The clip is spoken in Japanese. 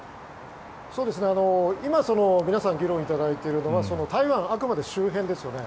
今、皆さん議論いただいているのはあくまで台湾周辺ですよね。